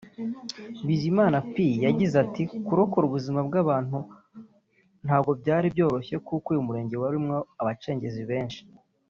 Bizimana Pie yagize ati “Kurokora ubuzima bw’aba bantu ntabwo byari byoroshye kuko uyu murenge warimo abacengezi benshi